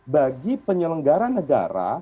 bagi penyelenggara negara